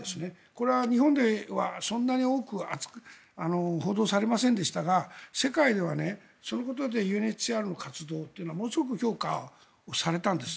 これは日本ではそんなに大きくは報道されませんでしたが世界ではそのことでＵＮＨＣＲの活動というのがものすごく評価をされたんです。